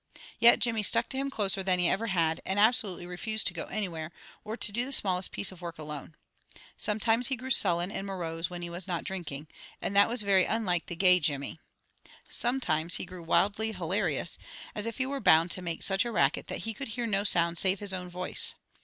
Yet, Jimmy stuck to him closer than he ever had, and absolutely refused to go anywhere, or to do the smallest piece of work alone. Sometimes he grew sullen and morose when he was not drinking, and that was very unlike the gay Jimmy. Sometimes he grew wildly hilarious, as if he were bound to make such a racket that he could hear no sound save his own voice.